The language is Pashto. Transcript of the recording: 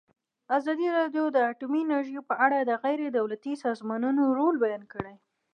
ازادي راډیو د اټومي انرژي په اړه د غیر دولتي سازمانونو رول بیان کړی.